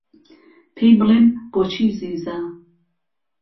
پێی بڵێن بۆچی زیزه